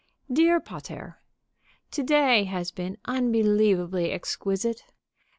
_ DEAR PATER: To day has been unbelievably exquisite!